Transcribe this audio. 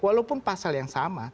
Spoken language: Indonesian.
walaupun pasal yang sama